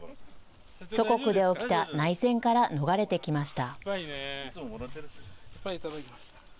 祖国で起きた内戦から逃れてきました。